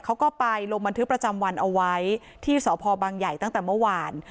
เขาก็ไปลงบันทึกประจำวันเอาไว้ที่สพบังใหญ่ตั้งแต่เมื่อวาน